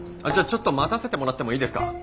あじゃあちょっと待たせてもらってもいいですか？